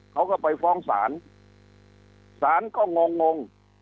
เขาก็ไปฟ้องศาลศาลก็งงง